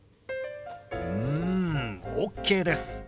うんＯＫです。